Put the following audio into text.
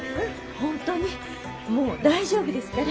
本当にもう大丈夫ですから。